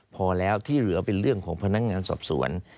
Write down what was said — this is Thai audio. พอแล้วที่เหลือเป็นเรื่องของพนักงานสอบสวน